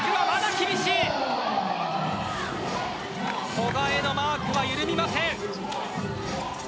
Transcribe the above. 古賀へのマークは緩みません。